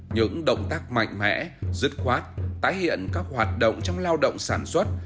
những động tác mạnh mẽ dứt khoát tái hiện các hoạt động trong lao động sản xuất